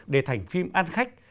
để thành phim ăn khách